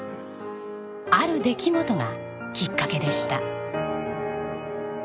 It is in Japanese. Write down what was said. ある出来事がきっかけでした。